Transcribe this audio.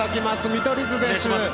見取り図です。